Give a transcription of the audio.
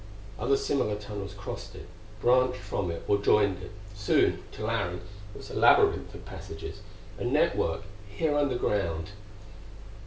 Other similar tunnels crossed it, branched from it or joined it. Soon, to Larry, it was a labyrinth of passages a network, here underground.